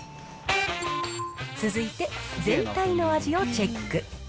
続いて全体の味をチェック。